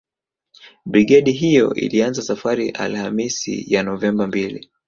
Brigedi hiyo ilianza safari Alhamisi ya Novemba mbili